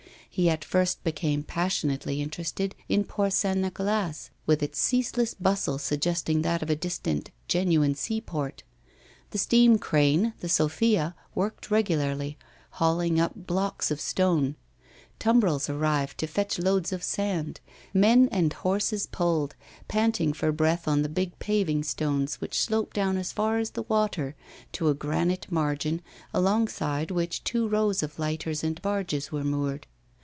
He at first became passionately interested in Port St. Nicolas, with its ceaseless bustle suggesting that of a distant genuine seaport. The steam crane, The Sophia, worked regularly, hauling up blocks of stone; tumbrels arrived to fetch loads of sand; men and horses pulled, panting for breath on the big paving stones, which sloped down as far as the water, to a granite margin, alongside which two rows of lighters and barges were moored.